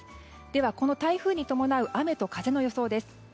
では、この台風に伴う雨と風の予想です。